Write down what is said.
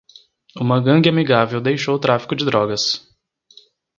Uma gangue amigável deixou o tráfico de drogas.